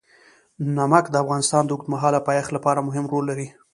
نمک د افغانستان د اوږدمهاله پایښت لپاره مهم رول لري.